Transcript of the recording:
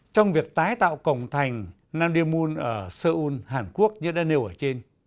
trong việc tái tạo cổng thành nam điên môn ở seoul hàn quốc như đã nêu ở trên